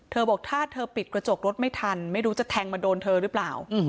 บอกถ้าเธอปิดกระจกรถไม่ทันไม่รู้จะแทงมาโดนเธอหรือเปล่า